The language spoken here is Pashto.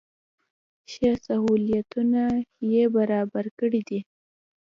ښه سهولتونه یې برابر کړي دي.